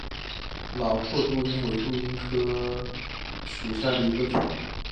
老挝杜英为杜英科杜英属下的一个种。